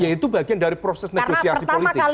ya itu bagian dari proses negosiasi politik